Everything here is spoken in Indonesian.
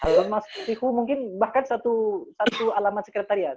kalau mas sihwu mungkin bahkan satu alamat sekretariat